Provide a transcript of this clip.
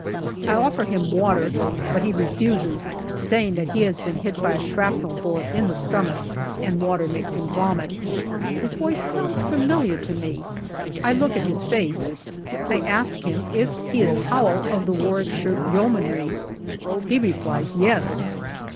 I offer him water, but he refuses, saying that he has been hit by a shrapnel bullet in the stomach, and water makes him vomit. His voice sounds familiar to me. I look at his face I ask him if he is Howell of the Warwickshire Yeomanry he replies " Yes.